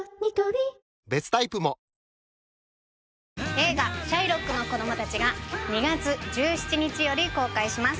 映画「シャイロックの子供たち」が２月１７日より公開します